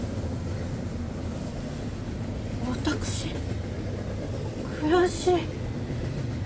私悔しい。